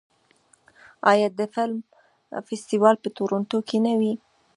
آیا د فلم فستیوال په تورنټو کې نه وي؟